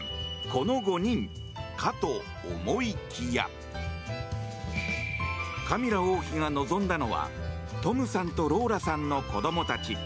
この５人かと思いきやカミラ王妃が望んだのはトムさんとローラさんの子供たち。